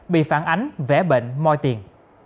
bị phản ánh vẻ bệnh môi tiền